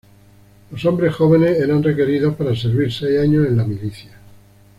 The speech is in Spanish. Los hombres jóvenes eran requeridos para servir seis años en la milicia.